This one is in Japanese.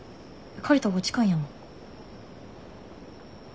借りたほうが近いんやもん。